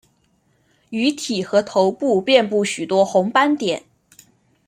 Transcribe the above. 鱼体和头部遍布许多红斑点。